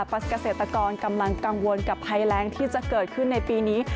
เพราะเกษตรกรกำลังกังวลกับภัยแรงที่จะเกิดขึ้นในปีนี้